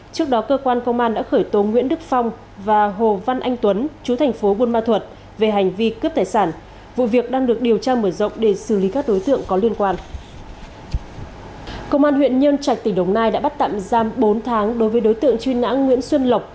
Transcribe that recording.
công an huyện nhân trạch tỉnh đồng nai đã bắt tạm giam bốn tháng đối với đối tượng chuyên ngã nguyễn xuân lộc